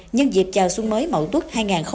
nhân dịp chào xuân mới mẫu tuốt hai nghìn một mươi tám